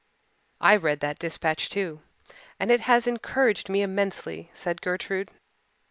"I read that dispatch, too, and it has encouraged me immensely," said Gertrude.